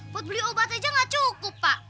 buat beli obat aja nggak cukup pak